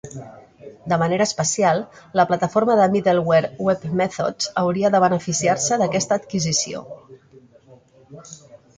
De manera especial, la plataforma de middleware WebMethods hauria de beneficiar-se d"aquesta adquisició.